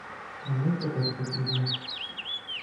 Вона й тепер потрібна.